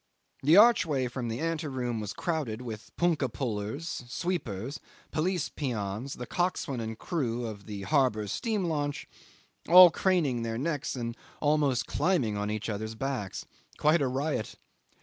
The archway from the ante room was crowded with punkah pullers, sweepers, police peons, the coxswain and crew of the harbour steam launch, all craning their necks and almost climbing on each other's backs. Quite a riot.